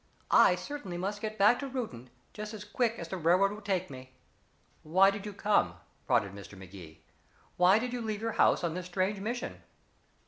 I certainly must get back to Reuton, just as quick as the railroad will take me." "Why did you come?" prodded Mr. Magee. "Why did you leave your house on this strange mission?"